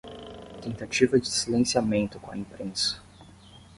Tentativa de silenciamento com a imprensa